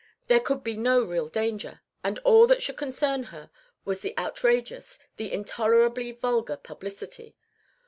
There could be no real danger, and all that should concern her was the outrageous, the intolerably vulgar publicity.